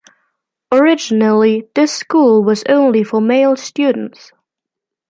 Originally, this school was only for male students.